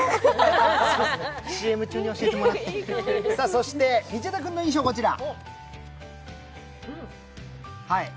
そして道枝君の印象はこちら。